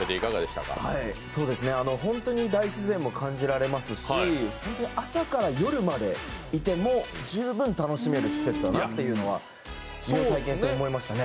本当に大自然も感じられますし朝から夜までいても十分楽しめる施設だなというのは体験して思いましたね。